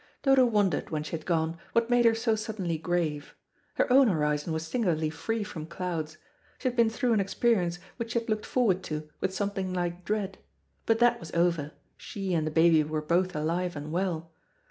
Dodo wondered, when she had gone, what made her so suddenly grave. Her own horizon was singularly free from clouds. She had been through an experience which she had looked forward to with something like dread. But that was over; she and the baby were both alive and well.